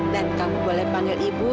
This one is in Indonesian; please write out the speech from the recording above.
dan kamu boleh panggil ibu